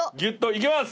いきます！